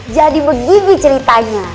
jadi begini ceritanya